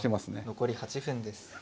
残り８分です。